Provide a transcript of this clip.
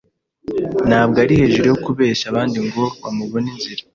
Ntabwo ari hejuru yo kubeshya abandi ngo bamubone inzira.